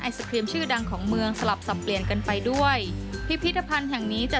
ศครีมชื่อดังของเมืองสลับสับเปลี่ยนกันไปด้วยพิพิธภัณฑ์แห่งนี้จะ